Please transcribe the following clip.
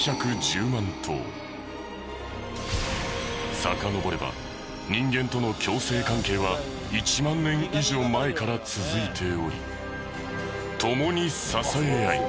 今さかのぼれば人間との共生関係は１万年以上前から続いており共に支え合い